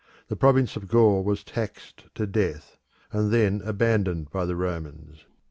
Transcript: The province of Gaul was taxed to death, and then abandoned by the Romans.